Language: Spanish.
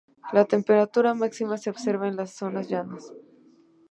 La temperatura máxima se observa en las zonas llanas.